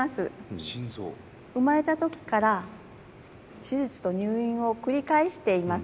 生まれた時から手術と入院を繰り返しています。